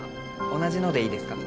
同じのでいいですか？